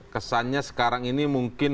kesannya sekarang ini mungkin